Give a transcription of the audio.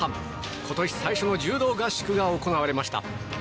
今年最初の柔道合宿が行われました。